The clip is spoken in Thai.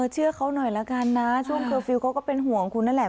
เชื่อเขาหน่อยละกันนะช่วงเคอร์ฟิลล์เขาก็เป็นห่วงคุณนั่นแหละ